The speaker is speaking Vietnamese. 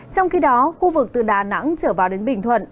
trong khi đó khu vực từ đà nẵng trở vào đến bình thuận